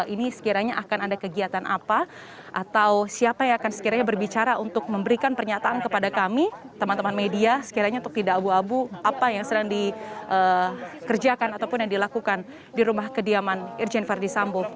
ini sekiranya akan ada kegiatan apa atau siapa yang akan sekiranya berbicara untuk memberikan pernyataan kepada kami teman teman media sekiranya untuk tidak abu abu apa yang sedang dikerjakan ataupun yang dilakukan di rumah kediaman irjen verdi sambo